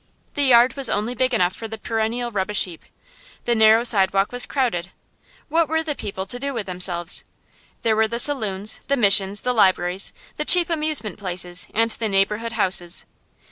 The yard was only big enough for the perennial rubbish heap. The narrow sidewalk was crowded. What were the people to do with themselves? There were the saloons, the missions, the libraries, the cheap amusement places, and the neighborhood houses.